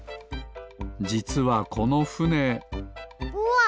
じつはこのふねうわっ！